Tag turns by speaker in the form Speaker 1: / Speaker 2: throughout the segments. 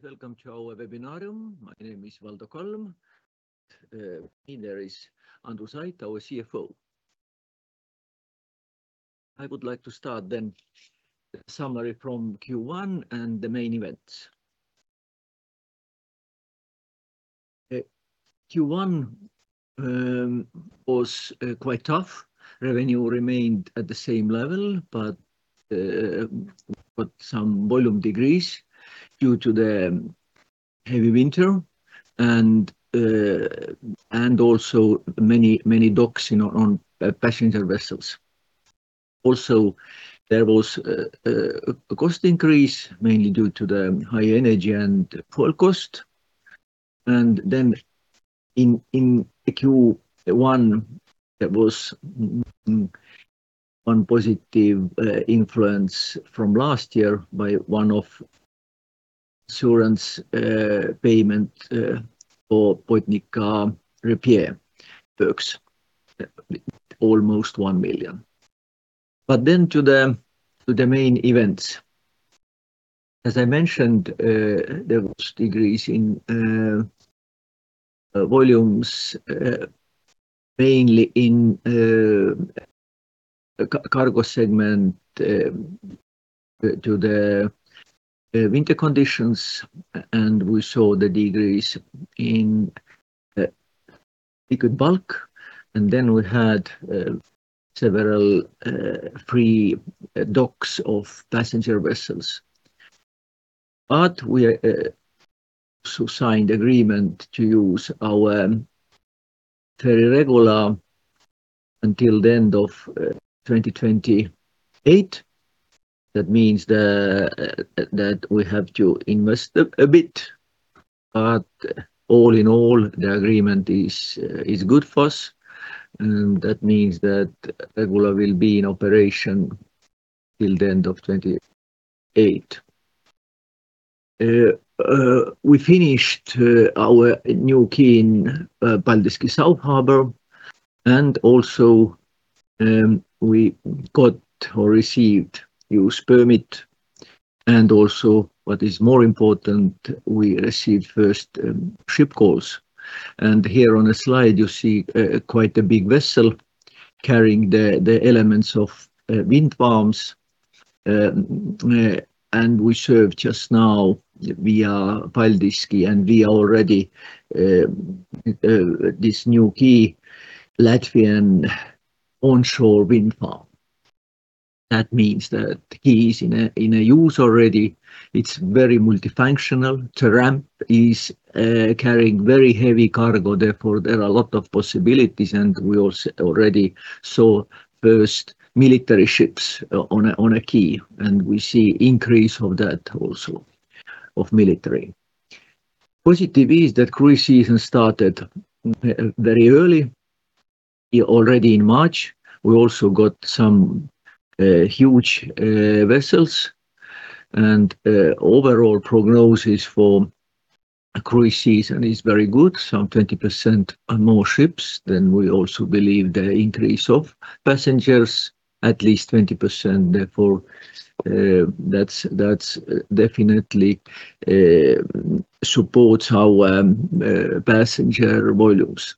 Speaker 1: Welcome to our webinarium. My name is Valdo Kalm. Here is Andrus Ait, our CFO. I would like to start summary from Q1 and the main events. Q1 was quite tough. Revenue remained at the same level, but some volume decrease due to the heavy winter and also many docks in our own passenger vessels. Also, there was a cost increase mainly due to the high energy and fuel cost. In the Q1, there was one positive influence from last year by one of insurance payment for Botnica repair works, almost 1 million. To the main events. As I mentioned, there was decrease in volumes, mainly in cargo segment, to the winter conditions, and we saw the decrease in liquid bulk, and then we had several free docks of passenger vessels. We also signed agreement to use our ferry Regula until the end of 2028. That means that we have to invest a bit. All in all, the agreement is good for us, and that means that Regula will be in operation till the end of 2028. We finished our new quay in Paldiski South Harbour, and also, we got or received use permit and also what is more important, we received first ship calls. Here on the slide you see quite a big vessel carrying the elements of wind farms. We serve just now via Paldiski, and via already this new quay Latvian onshore wind farm. That means that he is in a, in a use already. It's very multifunctional. The ramp is carrying very heavy cargo therefore there are a lot of possibilities and we also already saw first military ships on a quay and we see increase of that also, of military. Positive is that cruise season started very early, already in March. We also got some huge vessels and overall prognosis for a cruise season is very good, some 20% and more ships than we also believe the increase of passengers at least 20% therefore, that's definitely supports our passenger volumes.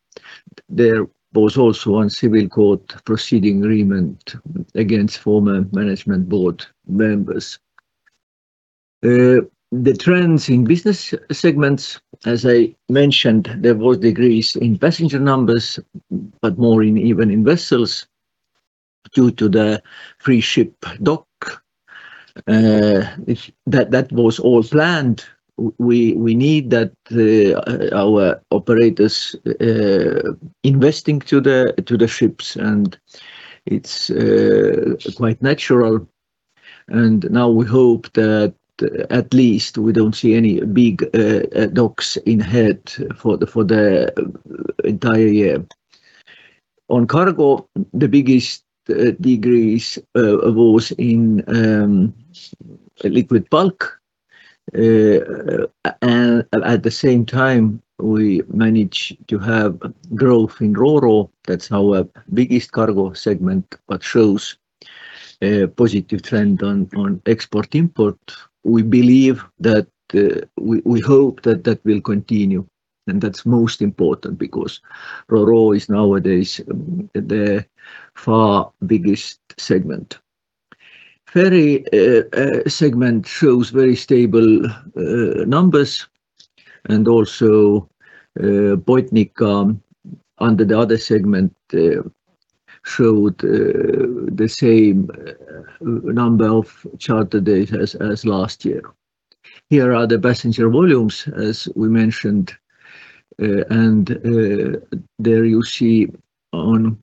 Speaker 1: There was also on civil court proceeding agreement against former Management Board members. The trends in business segments, as I mentioned, there was decrease in passenger numbers, but more in even in vessels due to the free ship dock. If that was all planned. We need that our operators investing to the ships and it's quite natural and now we hope that at least we don't see any big docks in ahead for the entire year. On cargo, the biggest decrease was in liquid bulk. At the same time we managed to have growth in Ro-Ro. That's our biggest cargo segment but shows a positive trend on export/import. We believe that we hope that that will continue and that's most important because Ro-Ro is nowadays the far biggest segment. Ferry segment shows very stable numbers and also Botnica under the other segment showed the same number of charter dates as last year. Here are the passenger volumes as we mentioned, and there you see on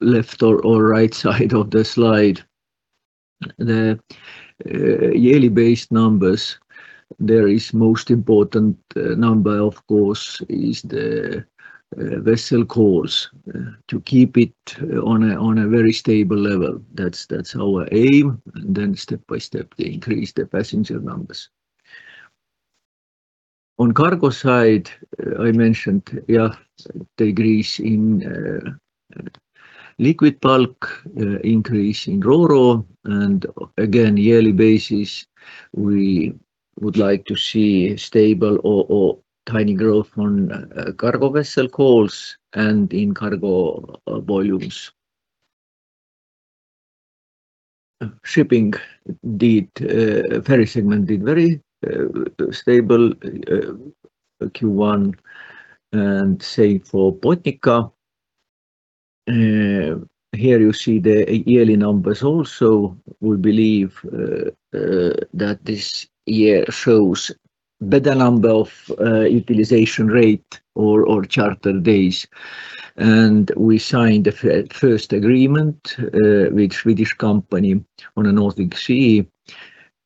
Speaker 1: left or right side of the slide the yearly based numbers. There is most important number of course is the vessel calls to keep it on a very stable level. That's our aim. Step by step they increase the passenger numbers. On cargo side, I mentioned, decrease in liquid bulk, increase in Ro-Ro, and again, yearly basis, we would like to see stable or tiny growth on cargo vessel calls and in cargo volumes. Shipping did, ferry segment did very stable Q1 and same for Botnica. Here you see the yearly numbers also. We believe that this year shows better number of utilization rate or charter days. We signed a first agreement with Swedish company on the North Sea.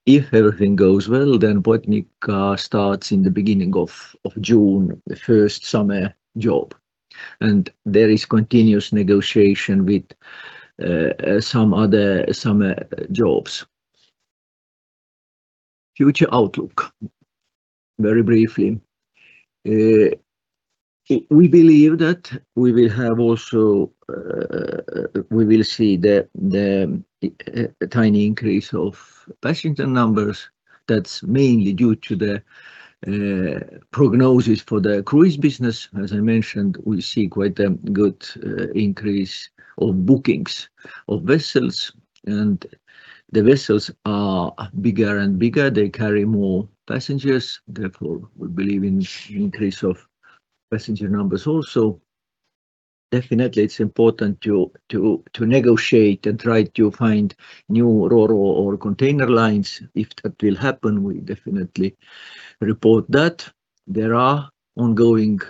Speaker 1: If everything goes well, then Botnica starts in the beginning of June, the first summer job, and there is continuous negotiation with some other summer jobs. Future outlook, very briefly. We believe that we will have also, we will see the tiny increase of passenger numbers that's mainly due to the prognosis for the cruise business. As I mentioned, we see quite a good increase of bookings of vessels, and the vessels are bigger and bigger. They carry more passengers, therefore we believe in increase of passenger numbers also. Definitely it's important to negotiate and try to find new Ro-Ro or container lines. If that will happen, we definitely report that. There are ongoing,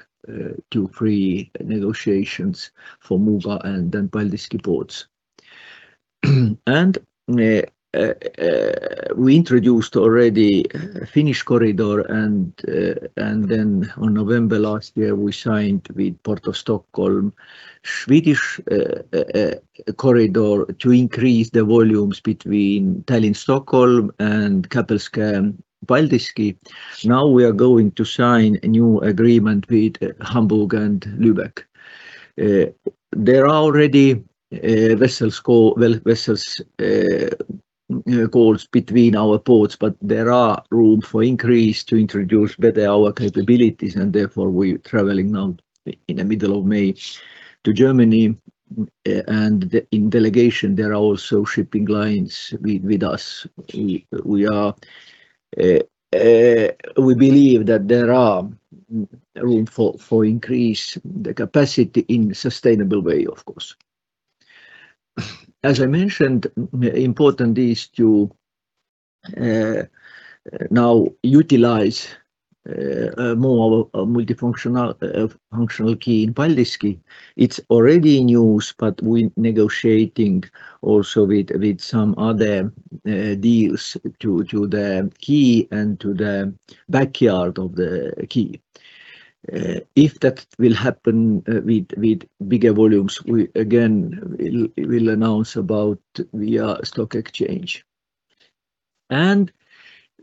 Speaker 1: two, three negotiations for Muuga and then Paldiski ports. We introduced already FIN-EST Corridor and then on November last year, we signed with Ports of Stockholm Swed-Est Corridor to increase the volumes between Tallinn, Stockholm and Kapellskär Paldiski. Now we are going to sign a new agreement with Hamburg and Lübeck. There are already vessels calls between our ports, but there are room for increase to introduce better our capabilities and therefore we're traveling now in the middle of May to Germany and in delegation there are also shipping lines with us. We believe that there are room for increase the capacity in sustainable way, of course. As I mentioned, important is to now utilize more multifunctional quay in Paldiski. It's already in use, we negotiating also with some other deals to the quay and to the backyard of the quay. If that will happen with bigger volumes, we again will announce about via stock exchange.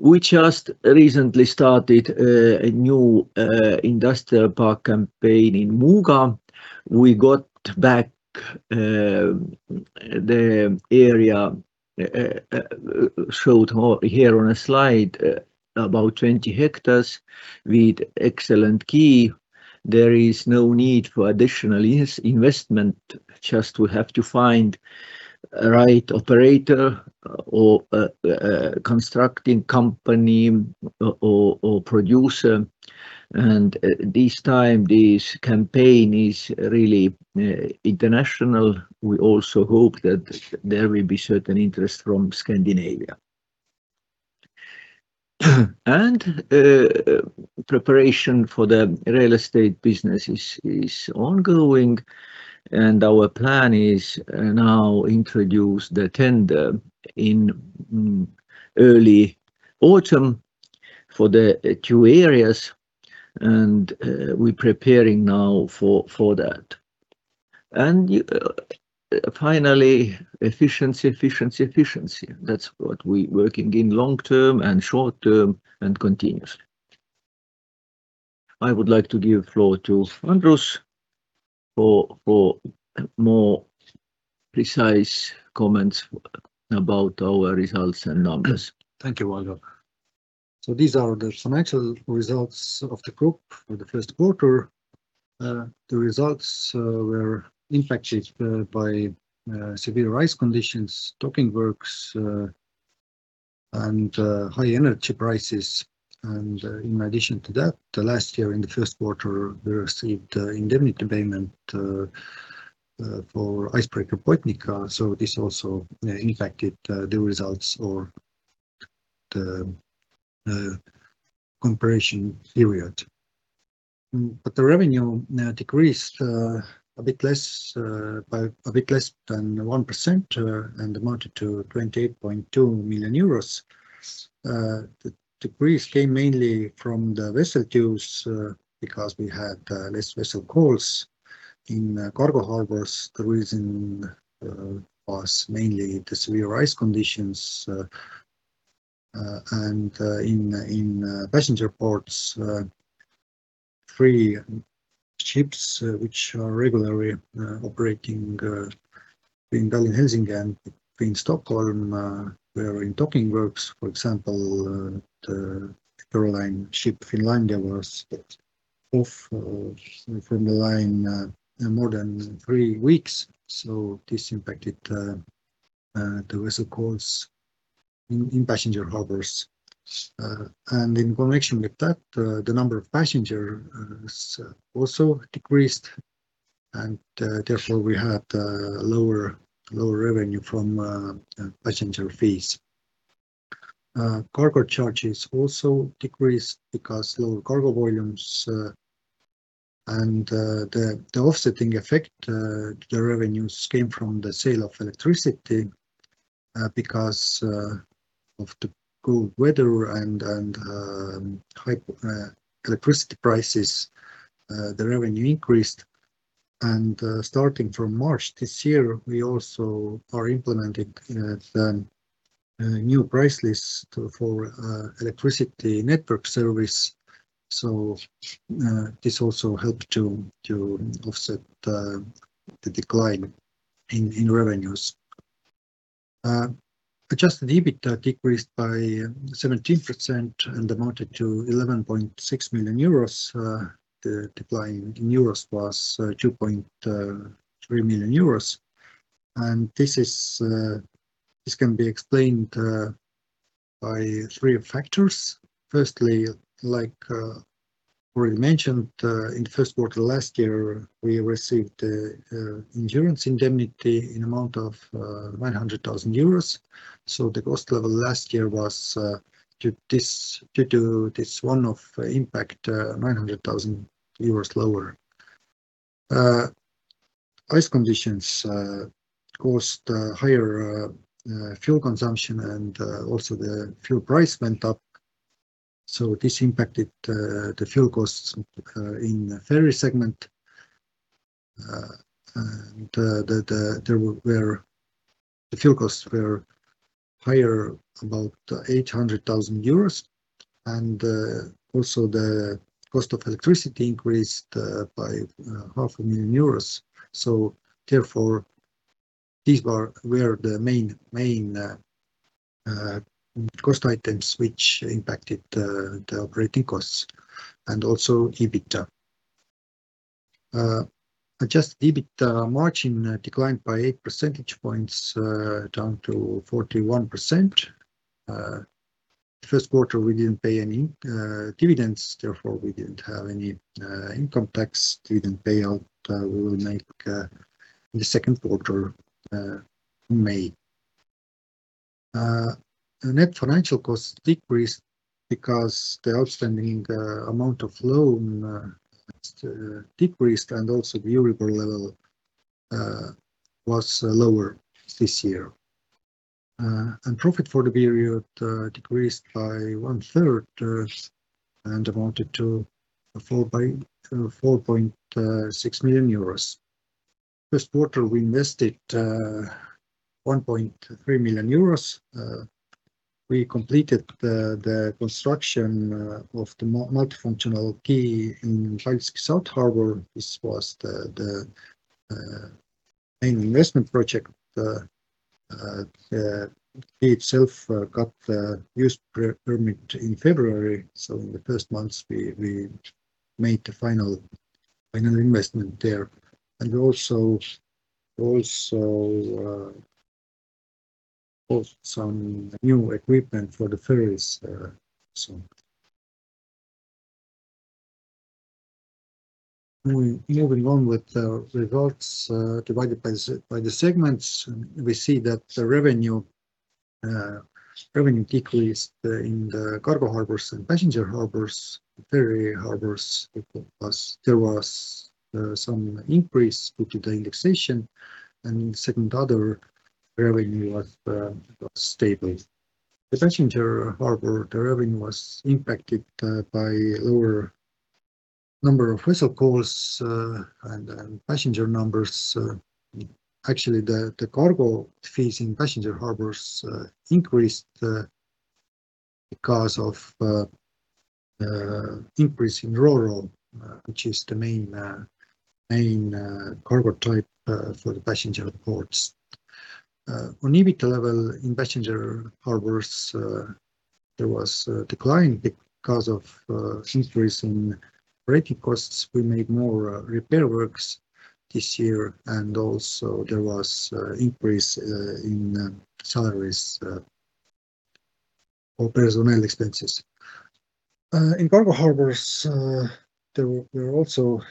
Speaker 1: We just recently started a new industrial park campaign in Muuga. We got back the area showed here on a slide about 20 hectares with excellent quay. There is no need for additional investment. Just we have to find right operator or constructing company or producer. This time, this campaign is really international. We also hope that there will be certain interest from Scandinavia. Preparation for the real estate business is ongoing, and our plan is now introduce the tender in early autumn for the two areas, and we preparing now for that. Finally, efficiency. That's what we working in long term and short term and continuously. I would like to give floor to Andrus for more precise comments about our results and numbers.
Speaker 2: Thank you, Valdo. These are the financial results of the group for the first quarter. The results were impacted by severe ice conditions, docking works, and high energy prices. In addition to that, last year in the first quarter, we received indemnity payment for icebreaker Botnica, this also impacted the results or the comparison period. The revenue now decreased a bit less by a bit less than 1%, and amounted to 28.2 million euros. The decrease came mainly from the vessel dues because we had less vessel calls in cargo harbors. The reason was mainly the severe ice conditions, in passenger ports, three ships, which are regularly operating in Tallinn, Helsinki, in Stockholm, were in docking works. For example, the Eckerö Line ship Finlandia was off from the line more than three weeks. This impacted the vessel calls in passenger harbors. In connection with that, the number of passengers also decreased, therefore we had lower revenue from passenger fees. Cargo charges also decreased because lower cargo volumes, the offsetting effect to the revenues came from the sale of electricity, because of the good weather and high electricity prices, the revenue increased. Starting from March this year, we also are implementing new price lists for electricity network service. This also helped to offset the decline in revenues. Adjusted EBITDA decreased by 17% and amounted to 11.6 million euros. The decline in euros was 2.3 million euros. This can be explained by three factors. Firstly, like already mentioned, in the first quarter last year, we received insurance indemnity in amount of 100,000 euros. The cost level last year was due to this one-off impact, 900,000 euros lower. Ice conditions caused higher fuel consumption, also the fuel price went up. This impacted the fuel costs in the ferry segment. The fuel costs were higher, about 800,000 euros. Also the cost of electricity increased by 0.5 million euros. Therefore, these were the main cost items which impacted the operating costs and also EBITDA. Adjusted EBITDA margin declined by 8 percentage points, down to 41%. First quarter, we didn't pay any dividends, therefore we didn't have any income tax. Dividend payout we will make in the second quarter in May. Net financial costs decreased because the outstanding amount of loan decreased, and also the EURIBOR level was lower this year. Profit for the period decreased by 1/3 and amounted to 4.6 million euros. First quarter, we invested 1.3 million euros. We completed the construction of the multifunctional quay in Paldiski South Harbour. This was the main investment project itself got the use permit in February, so in the first months we made the final investment there. Also some new equipment for the ferries. Moving on with the results, divided by the segments, we see that the revenue decreased in the cargo harbors and passenger harbors. Ferry harbors, there was some increase due to the indexation. Segment other revenue was stable. The passenger harbor, the revenue was impacted by lower number of vessel calls and passenger numbers. Actually, the cargo fees in passenger harbors increased because of increase in Ro-Ro, which is the main cargo type for the passenger ports. On EBITDA level, in passenger harbors, there was a decline because of increase in operating costs. We made more repair works this year, and also there was increase in salaries or personnel expenses. In cargo harbors, there were also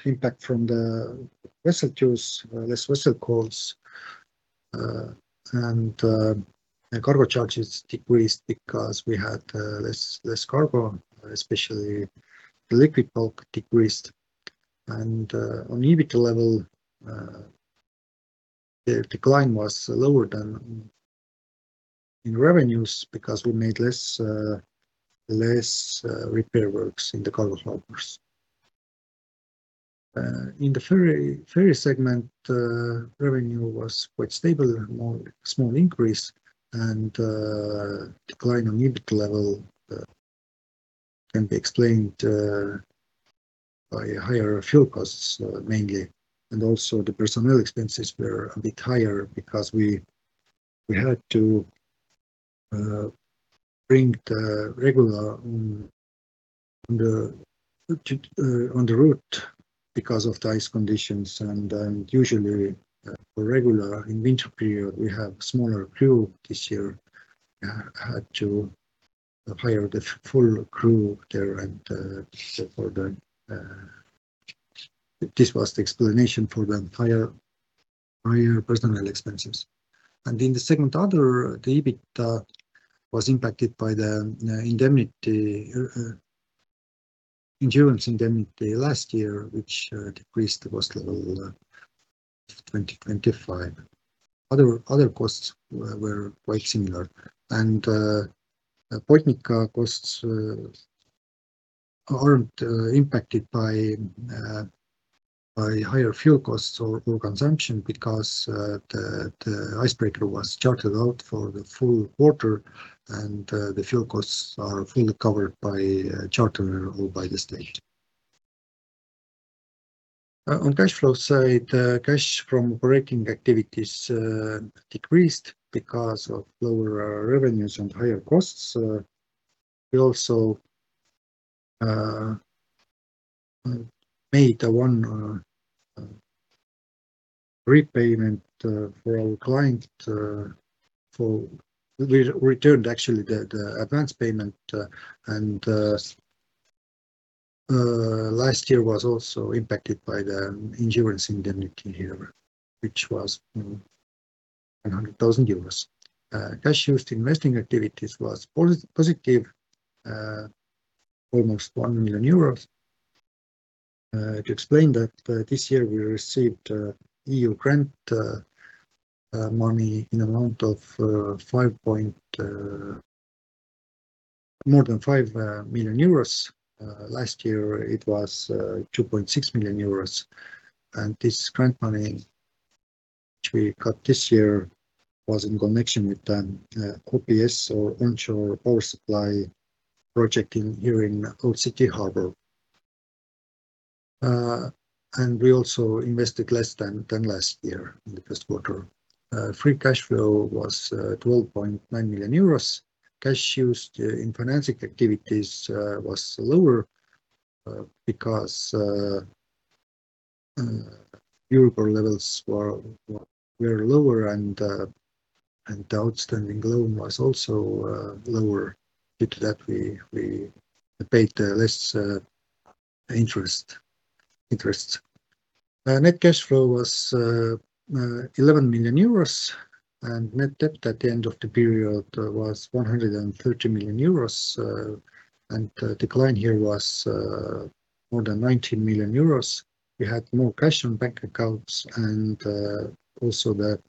Speaker 2: impact from the vessel calls, less vessel calls. The cargo charges decreased because we had less cargo, especially the liquid bulk decreased. On EBITDA level, the decline was lower than in revenues because we made less, less repair works in the cargo harbors. In the ferry segment, revenue was quite stable and more small increase and decline on EBIT level can be explained by higher fuel costs mainly. Also the personnel expenses were a bit higher because we had to bring the Regula on the route because of the ice conditions. Usually, for Regula in winter period, we have smaller crew. This year, had to hire the full crew there. This was the explanation for the higher personnel expenses. In the segment other, the EBITDA was impacted by the insurance indemnity last year, which decreased the cost level 2025. Other costs were quite similar. Botnica costs aren't impacted by higher fuel costs or consumption because the icebreaker was chartered out for the full quarter and the fuel costs are fully covered by charterer or by the state. On cash flow side, cash from operating activities decreased because of lower revenues and higher costs. We also made one repayment for our client. We returned actually the advanced payment. Last year was also impacted by the insurance indemnity here, which was, you know, 100,000 euros. Cash used in investing activities was positive, almost 1 million euros. To explain that, this year we received EU grant money in amount of more than 5 million euros. Last year it was 2.6 million euros. This grant money which we got this year was in connection with an OPS or onshore power supply project in here in Old City Harbour. We also invested less than last year in the first quarter. Free cash flow was 12.9 million euros. Cash used in financing activities was lower because EURIBOR levels were lower and the outstanding loan was also lower. Due to that we paid less interest. Net cash flow was 11 million euros, and net debt at the end of the period was 130 million euros. The decline here was more than 19 million euros. We had more cash on bank accounts, also the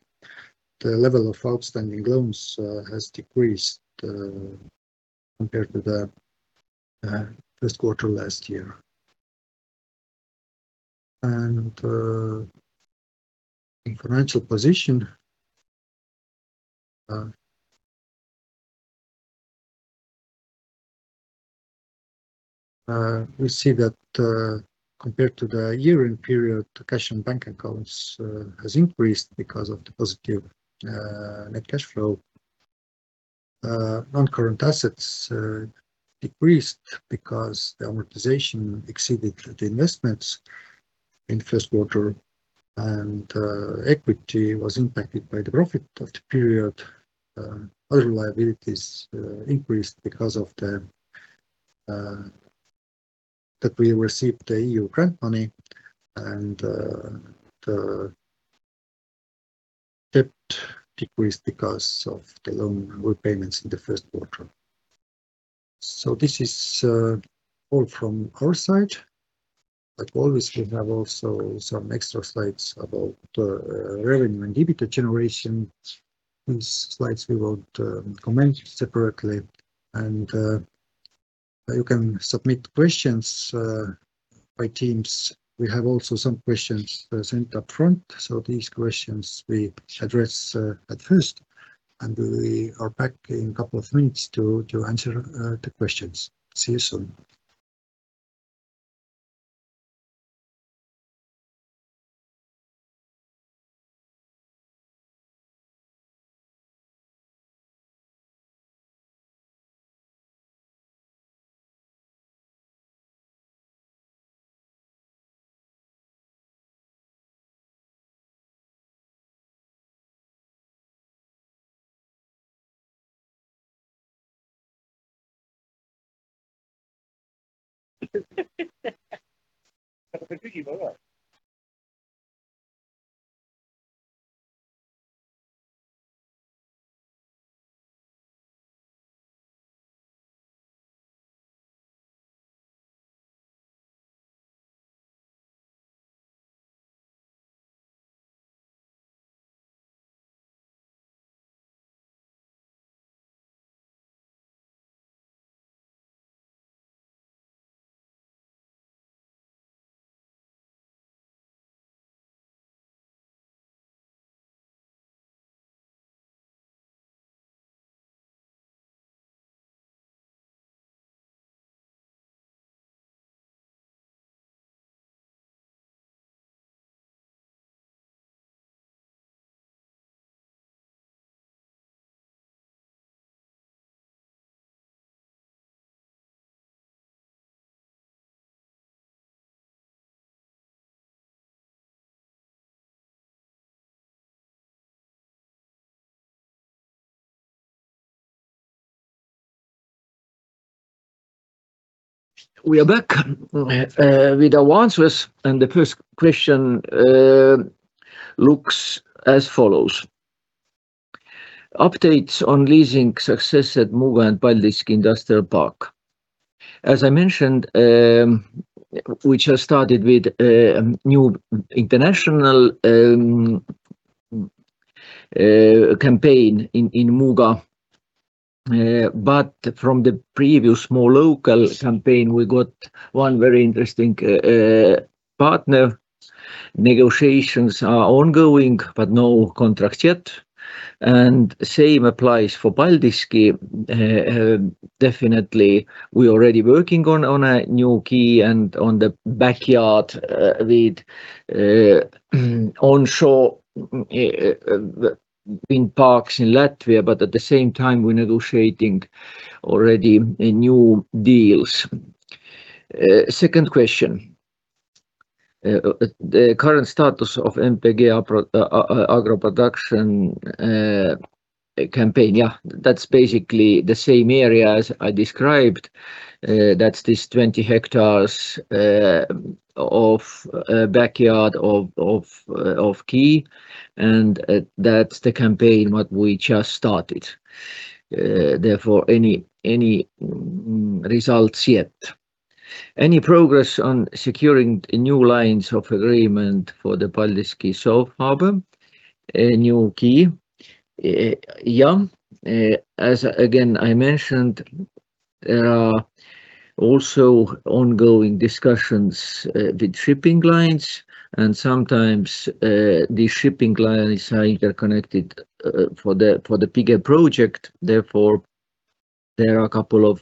Speaker 2: level of outstanding loans has decreased compared to the first quarter last year. In financial position, we see that compared to the year-end period, the cash in bank accounts has increased because of the positive net cash flow. Non-current assets decreased because the amortization exceeded the investments in first quarter. Equity was impacted by the profit of the period. Other liabilities increased because of the that we received the EU grant money. The debt decreased because of the loan repayments in the first quarter. This is all from our side. Like always, we have also some extra slides about revenue and EBITDA generation. These slides we will comment separately. You can submit questions by Teams. We have also some questions sent upfront. These questions we address at first. We are back in couple of minutes to answer the questions. See you soon.
Speaker 1: We are back with our answers, and the first question looks as follows. Updates on leasing success at Muuga and Paldiski Industrial Park. As I mentioned, we just started with a new international campaign in Muuga. From the previous more local campaign, we got one very interesting partner. Negotiations are ongoing, but no contracts yet, and same applies for Paldiski. Definitely we already working on a new quay and on the backyard with onshore wind parks in Latvia, at the same time we're negotiating already new deals. Second question. The current status of MPG AgroProduction campaign. Yeah, that's basically the same area as I described. That's this 20 hectares of backyard of quay and that's the campaign what we just started. Therefore, any results yet? Any progress on securing new lines of agreement for the Paldiski South Harbour, a new quay? Yeah. As again I mentioned, there are also ongoing discussions with shipping lines and sometimes the shipping lines are interconnected for the bigger project. Therefore, there are a couple of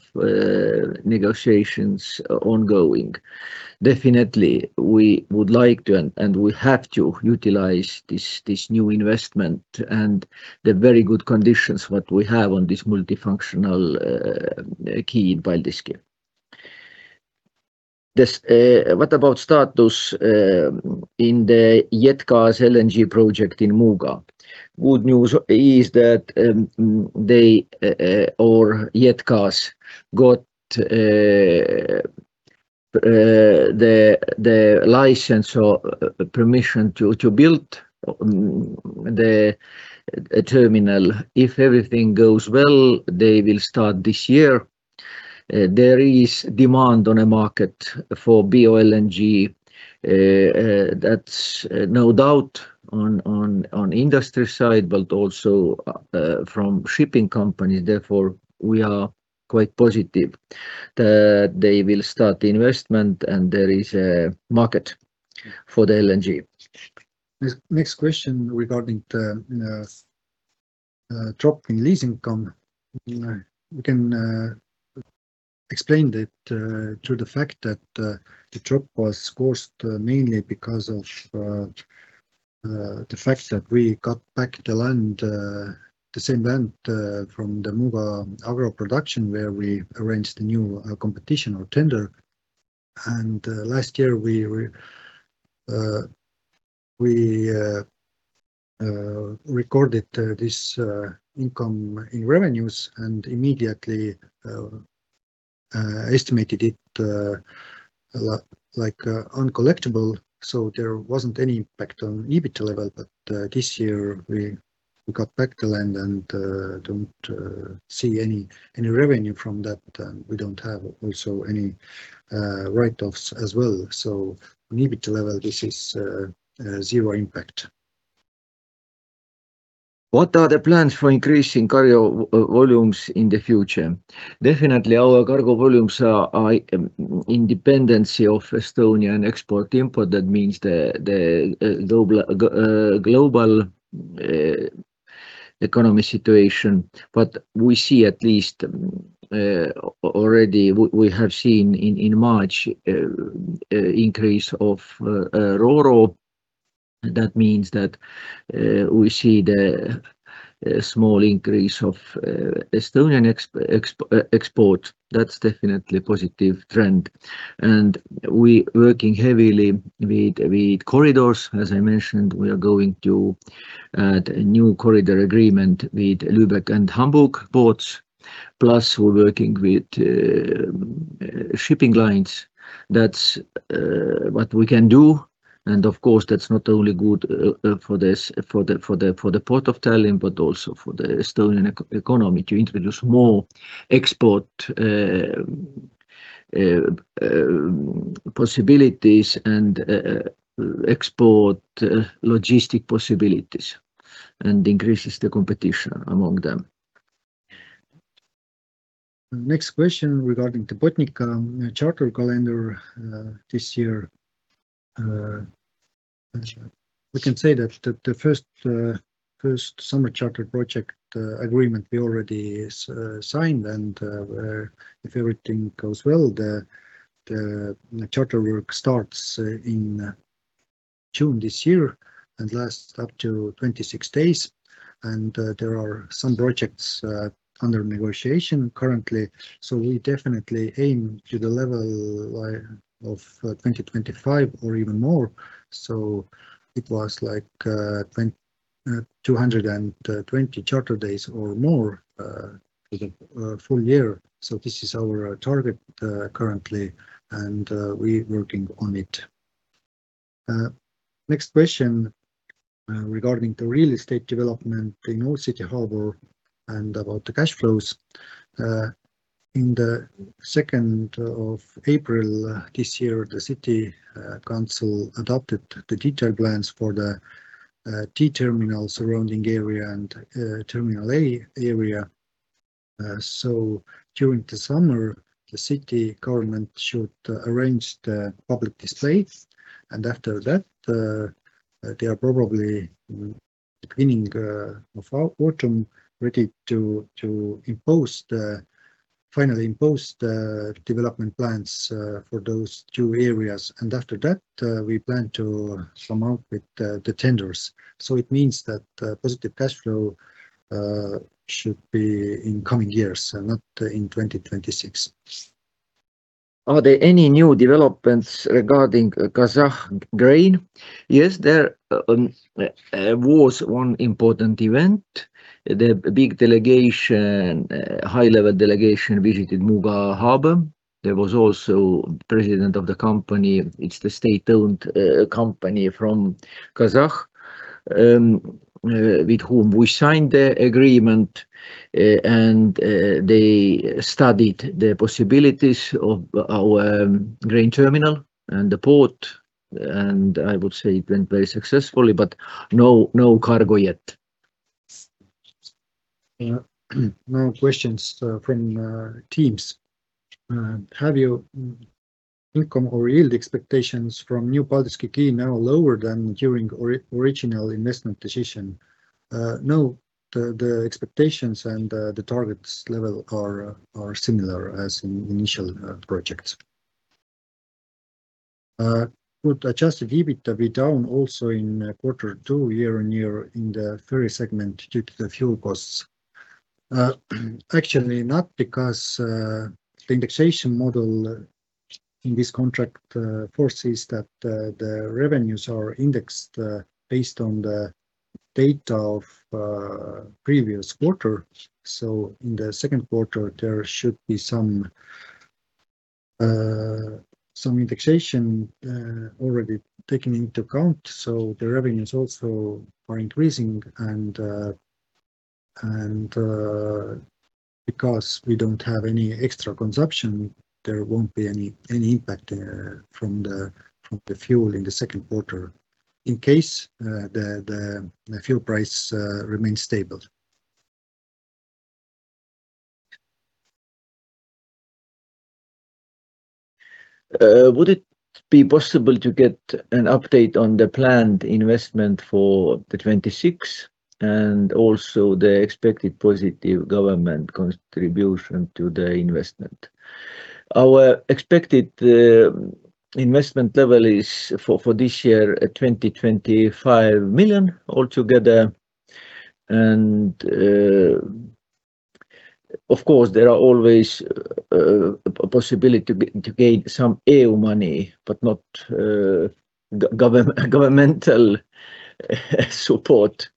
Speaker 1: negotiations ongoing. Definitely we would like to and we have to utilize this new investment and the very good conditions what we have on this multifunctional quay in Paldiski. What about status in the JetGas LNG project in Muuga? Good news is that they or JetGas got the license or permission to build the terminal. If everything goes well, they will start this year. There is demand on a market for bio-LNG. That's no doubt on industry side, but also from shipping companies. Therefore, we are quite positive that they will start the investment and there is a market for the LNG.
Speaker 2: This next question regarding the drop in lease income. You know, we can explain that through the fact that the drop was caused mainly because of the fact that we got back the land, the same land, from the Muuga Agro production, where we arranged a new competition or tender. Last year we recorded this income in revenues and immediately estimated it a lot like uncollectible, so there wasn't any impact on EBITDA level. This year we got back the land and don't see any revenue from that. We don't have also any write-offs as well. On EBITDA level, this is a zero impact.
Speaker 1: What are the plans for increasing cargo volumes in the future? Definitely our cargo volumes are in dependency of Estonian export-import. That means the global economy situation. We see at least already we have seen in March increase of Ro-Ro. That means that we see the small increase of Estonian export. That's definitely a positive trend. We working heavily with corridors. As I mentioned, we are going to add a new corridor agreement with Lübeck and Hamburg ports. Plus we're working with shipping lines. That's what we can do and of course that's not only good for the Port of Tallinn, but also for the Estonian eco-economy to introduce more export possibilities and export logistic possibilities and increases the competition among them.
Speaker 2: Next question regarding the Botnica charter calendar this year. We can say that the first summer charter project agreement we already is signed and if everything goes well, the charter work starts in June this year and lasts up to 26 days. There are some projects under negotiation currently. We definitely aim to the level like of 2025 or even more. It was like 220 charter days or more for the full year. This is our target currently, and we working on it. Next question regarding the real estate development in Old City Harbour and about the cash flows. In the 2nd of April this year, the city council adopted the detailed plans for the D-terminal surrounding area and Terminal A area. During the summer, the city government should arrange the public displays and after that, they are probably, in the beginning of autumn, ready to finally impose the development plans for those two areas. After that, we plan to come out with the tenders. It means that positive cashflow should be in coming years, not in 2026.
Speaker 1: Are there any new developments regarding Kazakh grain? Yes, there was one important event. The big delegation, high-level delegation visited Muuga Harbour. There was also president of the company. It's the state-owned company from Kazakh, with whom we signed the agreement. They studied the possibilities of our grain terminal and the port. I would say it went very successfully, but no cargo yet.
Speaker 2: Now questions from Teams. Have your income or yield expectations from new Paldiski quay now lower than during original investment decision? No. The expectations and the targets level are similar as in initial projects. Would adjusted EBITDA be down also in quarter two year-on-year in the ferry segment due to the fuel costs? Actually not, because the indexation model in this contract foresees that the revenues are indexed based on the date of previous quarter. In the second quarter, there should be some indexation already taken into account, so the revenues also are increasing. Because we don't have any extra consumption, there won't be any impact from the fuel in the second quarter, in case the fuel price remains stable.
Speaker 1: Would it be possible to get an update on the planned investment for 2026 and also the expected positive government contribution to the investment? Our expected investment level is for this year, 20 million-25 million altogether and, of course, there are always possibility to gain some EU money, but not governmental support.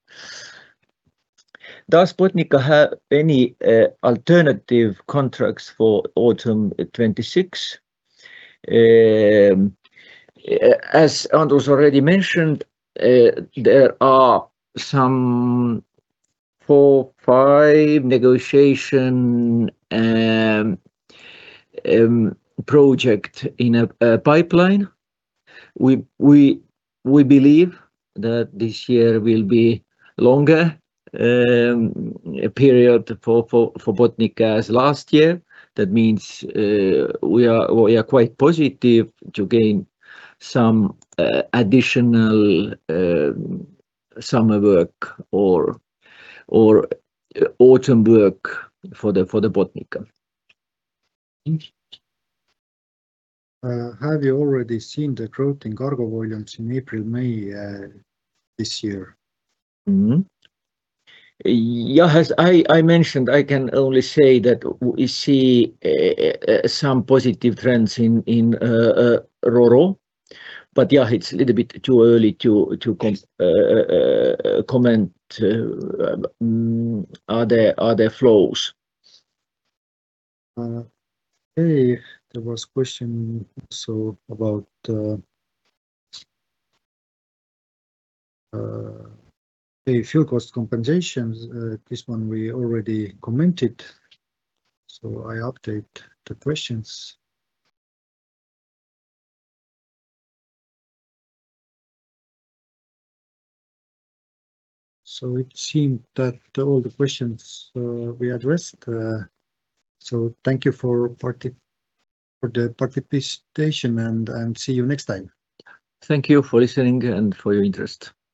Speaker 1: Does Botnica have any alternative contracts for autumn 2026? As Andrus already mentioned, there are some four, five negotiation project in a pipeline. We believe that this year will be longer period for Botnica as last year. That means, we are quite positive to gain some additional summer work or autumn work for the Botnica.
Speaker 2: Thank you. Have you already seen the growth in cargo volumes in April, May, this year?
Speaker 1: Yeah, as I mentioned, I can only say that we see some positive trends in Ro-Ro. Yeah, it's a little bit too early to comment other flows.
Speaker 2: Okay. There was question also about the fuel cost compensations. This one we already commented. I update the questions. It seemed that all the questions we addressed. Thank you for the participation, and see you next time.
Speaker 1: Thank you for listening and for your interest.